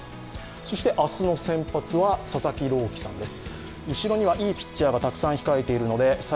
そして明日の先発は佐々木朗希さんです。